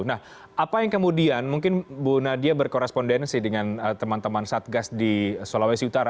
nah apa yang kemudian mungkin bu nadia berkorespondensi dengan teman teman satgas di sulawesi utara